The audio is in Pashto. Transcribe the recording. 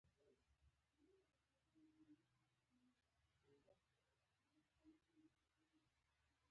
چین د اصلاحاتو له لارې پرمختګ کړی.